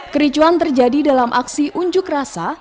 kericuan terjadi dalam aksi unjuk rasa